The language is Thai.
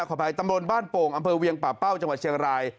ขออภัยตำบลบ้านโป่งอำเภอเวียงป่าเป้าจังหวัดเชียงราย